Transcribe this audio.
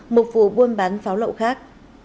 một vụ buôn bán pháo lậu khác